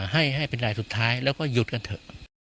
ให้เป็นรายสุดท้ายแล้วก็หยุดกันเถอะ